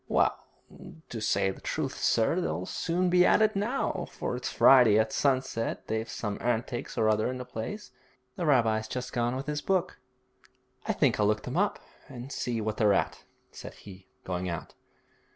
'Well, to say the truth, sir, they'll soon be at it now, for it's Friday at sunset they've some antics or other in the place. The rabbi's just gone with his book.' 'I think I'll look them up, and see what they're at,' said he, going out.